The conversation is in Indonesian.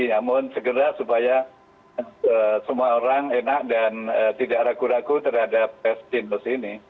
namun segera supaya semua orang enak dan tidak raku raku terhadap tes jinos ini